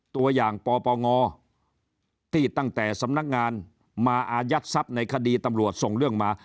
ตัวอย่างปปงที่ตั้งแต่สำนักงานมาอายัดทรัพย์ในคดีตำรวจส่งเรื่องมา